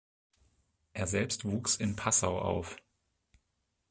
Er selbst wuchs in Passau auf.